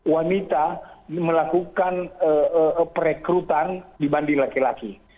wanita melakukan perekrutan dibanding laki laki